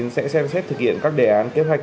sẽ xem xét thực hiện các đề án kế hoạch